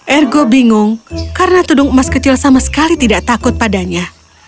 ergo bingung karena tudung emas kecil sama sekali tidak takut padanya